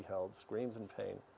tidak ingin diberikan